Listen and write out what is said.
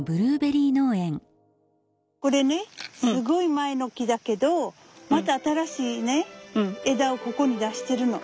これねすごい前の木だけどまた新しいね枝をここに出してるの。